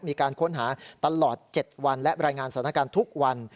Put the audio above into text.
มีการค้นหาตลอด๗วันและรายงานสถานการณ์ทุกวัน